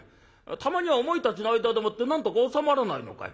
たまにはお前たちの間でもってなんとか収まらないのかい？」。